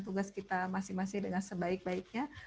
tugas kita masing masing dengan sebaik baiknya